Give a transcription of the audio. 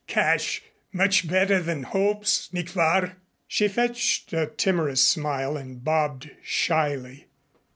Cash. Much better than hopes, nicht wahr?" She fetched a timorous smile and bobbed shyly.